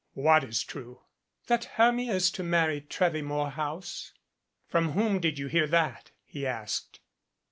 "What is true?" "That Hermia is to marry Trevvy Morehouse?" "From whom did you hear that?" he asked.